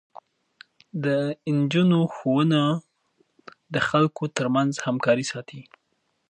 د نجونو ښوونه د خلکو ترمنځ همکاري ساتي.